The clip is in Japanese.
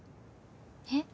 えっ？